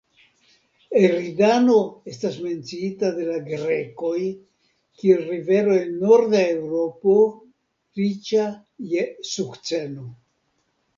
Eridano estas menciita de la grekoj, kiel rivero en norda Eŭropo, riĉa je sukceno.